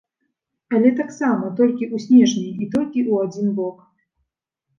Але таксама толькі ў снежні і толькі ў адзін бок.